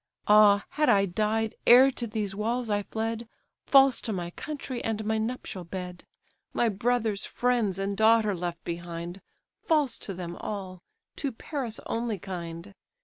Ah! had I died, ere to these walls I fled, False to my country, and my nuptial bed; My brothers, friends, and daughter left behind, False to them all, to Paris only kind!